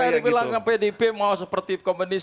tapi itu tadi bilang pdp mau seperti komunis